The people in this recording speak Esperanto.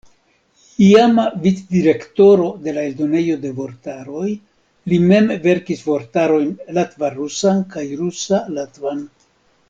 Iama vic-direktoro de la Eldonejo de Vortaroj, li mem verkis vortarojn latva-rusan kaj rusa-latvan.